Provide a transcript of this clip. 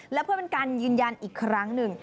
และเพื่อเป็นการยืนยันอีกครั้งหนึ่ง